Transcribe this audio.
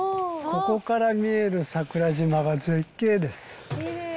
ここから見える桜島が絶景です。